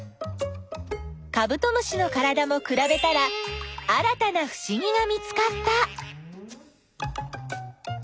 カブトムシのからだもくらべたら新たなふしぎが見つかった。